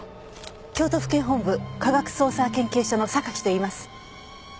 京都府警本部科学捜査研究所の榊といいます。